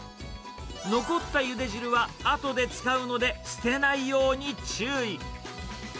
残ったゆで汁はあとで使うので、捨てないように注意。